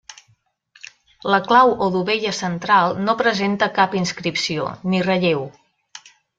La clau o dovella central no presenta cap inscripció, ni relleu.